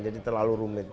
jadi terlalu rumit